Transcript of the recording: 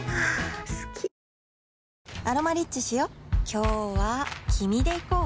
今日は君で行こう